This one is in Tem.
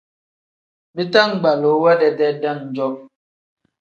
Bitangbaluu we dedee dam-jo.